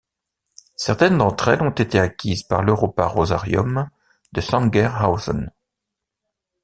Certaines d'entre elles ont été acquises par l'Europa-Rosarium de Sangerhausen.